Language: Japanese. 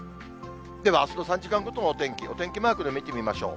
では、あすの３時間ごとのお天気、お天気マークで見てみましょう。